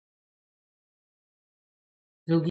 მსახურობდა ფშავის მილიციის უფროსად.